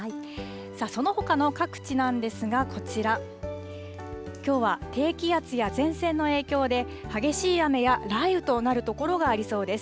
そのほかの各地なんですがこちら、きょうは低気圧や前線の影響で、激しい雨や雷雨となる所がありそうです。